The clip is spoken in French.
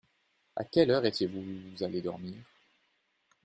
À quelle heure étiez-vous allés dormir ?